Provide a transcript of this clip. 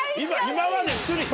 今まで。